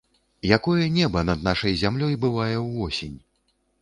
Якое неба над нашай зямлёй бывае ўвосень!